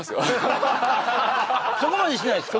そこまでしないですか